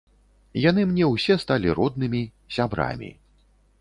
Яны мне ўсе сталі роднымі, сябрамі.